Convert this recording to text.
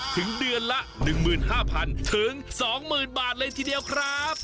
ถึงเดือนละ๑๕๐๐๐ถึง๒๐๐๐บาทเลยทีเดียวครับ